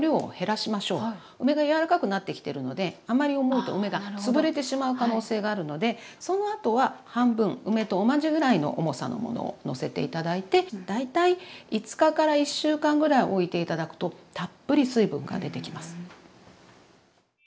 梅が柔らかくなってきてるのであまり重いと梅が潰れてしまう可能性があるのでそのあとは半分梅と同じぐらいの重さのものをのせて頂いて大体５日から１週間ぐらいおいて頂くとたっぷり水分が出てきます。